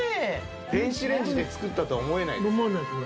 電子レンジで作ったとは思えない。